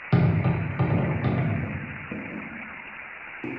نهه بجو څخه سهار په یوه نیمه بجه خیمې ته ورسېدو.